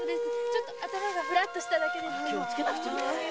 チョット頭がふらっとしただけです。